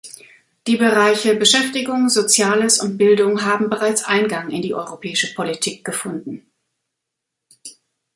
Die Bereiche Beschäftigung, Soziales und Bildung haben bereits Eingang in die europäische Politik gefunden.